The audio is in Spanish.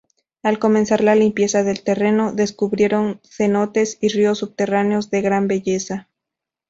Al comenzar la limpieza del terreno, descubrieron cenotes y ríos subterráneos de gran belleza.